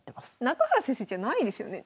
中原先生じゃないですよね。